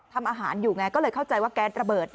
ทำอาหารอยู่ไงก็เลยเข้าใจว่าแก๊สระเบิด